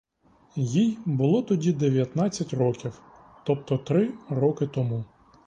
Їй було тоді дев'ятнадцять років, тобто три роки тому.